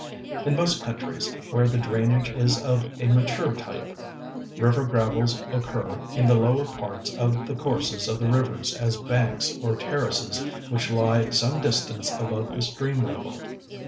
In most countries where the drainage is of a mature type, river gravels occur in the lower parts of the courses of the rivers as banks or terraces which lie some distance above the stream level.